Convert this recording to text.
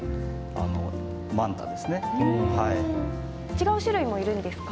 違う種類もいるんですか？